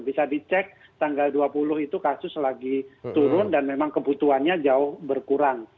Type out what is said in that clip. bisa dicek tanggal dua puluh itu kasus lagi turun dan memang kebutuhannya jauh berkurang